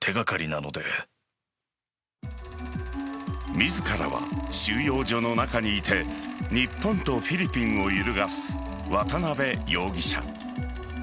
自らは収容所の中にいて日本とフィリピンを揺るがす渡辺容疑者。